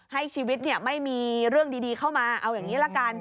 ให้ชีวิตไม่มีเรื่องดีเข้ามาเอาอย่างนี้ละกัน